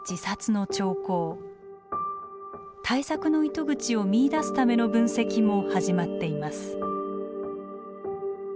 対策の糸口を見いだすための分析も始まっています。